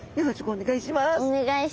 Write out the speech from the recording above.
お願いします。